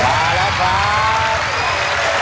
มาแล้วครับ